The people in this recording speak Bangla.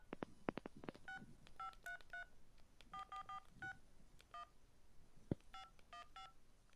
তবে আইসল্যান্ডের মানুষের পূর্ণ ধর্মীয় স্বাধীনতা আছে।